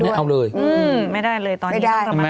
ไม่ได้เลยตอนนี้ต้องเทรรมาย้ว่า